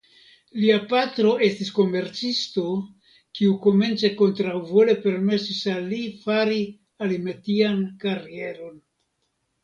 Lia patro estis komercisto kiu komence kontraŭvole permesis al li fari alimetian karieron.